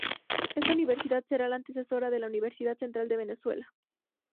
Esta universidad será la antecesora de la Universidad Central de Venezuela.